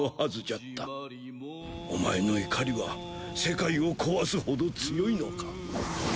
「お前の怒りは世界を壊すほど強いのか？」